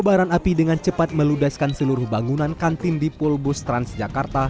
kobaran api dengan cepat meludaskan seluruh bangunan kantin di pulbus transjakarta